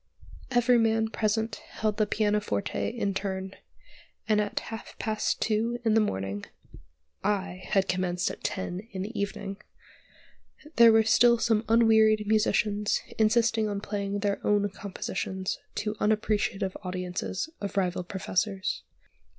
Every man present held the pianoforte in turn, and at half past two in the morning (I had commenced at ten in the evening), there were still some unwearied musicians insisting on playing their own compositions to unappreciative audiences of rival professors.